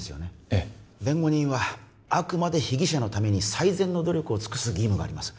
ええ弁護人はあくまで被疑者のために最善の努力を尽くす義務があります